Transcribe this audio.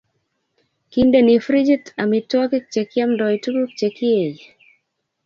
kindeni frijit amitwogik chekiomdoi tuguk chekieei